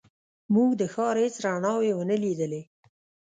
موږ د ښار هېڅ رڼاوې ونه لیدلې.